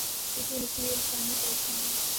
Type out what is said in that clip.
یہ کوئی نسلی یا لسانی فوج نہیں ہے۔